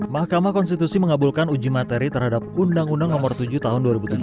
mahkamah konstitusi mengabulkan uji materi terhadap undang undang nomor tujuh tahun dua ribu tujuh belas